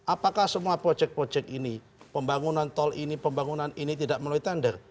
apakah semua proyek proyek ini pembangunan tol ini pembangunan ini tidak melalui tender